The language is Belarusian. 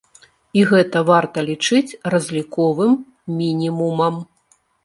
І гэта варта лічыць разліковым мінімумам.